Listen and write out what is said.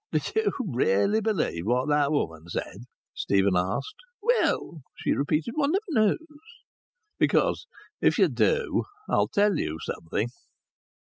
"Do you really believe what that woman said?" Stephen asked. "Well," she repeated, "one never knows." "Because if you do, I'll tell you something."